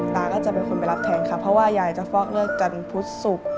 ตาก็จะเป็นคนไปรับแทนค่ะเพราะว่ายายจะฟอกเลิกกันพุธศุกร์